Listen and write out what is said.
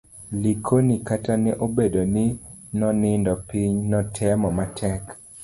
Likono kata ka obedo ni nonindo piny, notemo matek